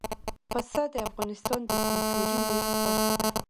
پسه د افغانستان د کلتوري میراث برخه ده.